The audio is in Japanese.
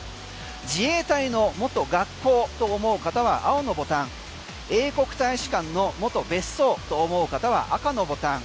自衛隊の元学校と思う方は青のボタン英国大使館の元別荘と思う方は赤のボタン。